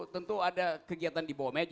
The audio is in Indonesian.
tentu ada kegiatan di bawah meja